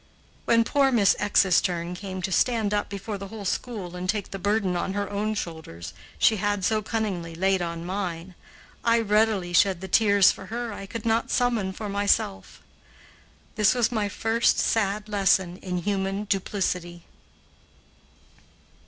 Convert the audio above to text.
When poor Miss 's turn came to stand up before the whole school and take the burden on her own shoulders she had so cunningly laid on mine, I readily shed the tears for her I could not summon for myself. This was my first sad lesson in human duplicity.